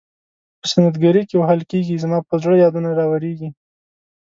په سنت ګرۍ کې وهل کیږي زما پر زړه یادونه راوریږي.